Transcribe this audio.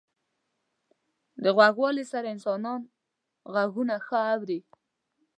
• د غوږوالۍ سره انسانان ږغونه ښه اوري.